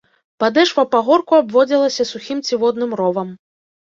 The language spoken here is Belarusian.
Падэшва пагорку абводзілася сухім ці водным ровам.